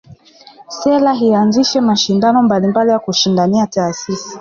Serekali ianzishe mashindano mbalimbali ya kushindanisha taasisi